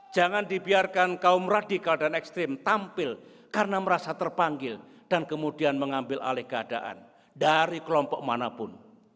jangan dibiarkan kaum radikal dan ekstrim tampil karena merasa terpanggil dan kemudian mengambil alih keadaan dari kelompok manapun